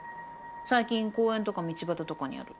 最近公園とか道端とかにある。